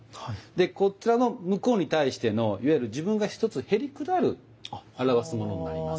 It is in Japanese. こちらの向こうに対してのいわゆる自分が一つへりくだる表すものになります。